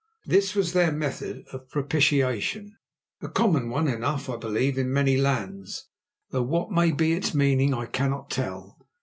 This was their method of propitiation, a common one enough, I believe, in many lands, though what may be its meaning I cannot tell.